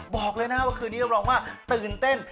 บอกเลยนะว่าคืนนี้รับรองว่าตื่นเต้น